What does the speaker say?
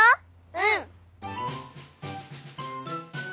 うん。